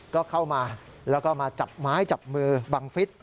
ก็เข้ามาแล้วก็มาจับไม้จับมือบังฟิศ